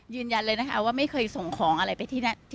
ยืนยันเลยนะคะว่าไม่เคยส่งของอะไรไปที่นั่น